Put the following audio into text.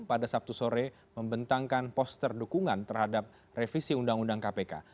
pada sabtu sore membentangkan poster dukungan terhadap revisi undang undang kpk